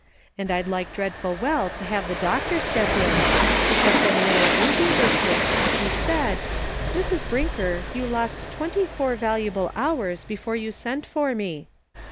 And I'd like dreadful well to have the doctor step in, because when little Ruble was sick he said, ' Mrs. Brinker, you lost twenty four valuable hours before you sent for me.'